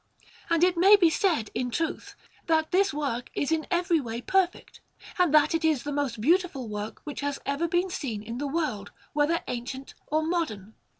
And it may be said, in truth, that this work is in every way perfect, and that it is the most beautiful work which has ever been seen in the world, whether ancient or modern.